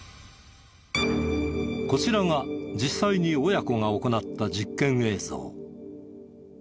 こちらが実際に親子が行った実験映像。